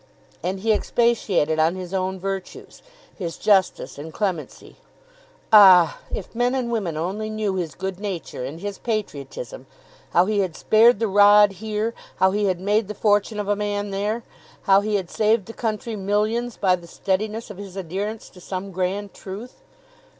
And he expatiated on his own virtues, his justice and clemency. Ah, if men and women only knew his good nature and his patriotism; how he had spared the rod here, how he had made the fortune of a man there, how he had saved the country millions by the steadiness of his adherence to some grand truth!